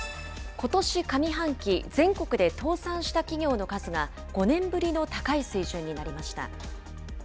ことし上半期、全国で倒産した企業の数が５年ぶりの高い水準になりました。